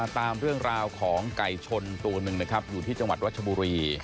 ตามเรื่องราวของไก่ชนตัวหนึ่งนะครับอยู่ที่จังหวัดรัชบุรี